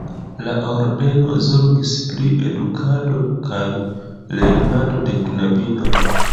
La ordeno zorgis pri edukado kaj lernado de knabinoj.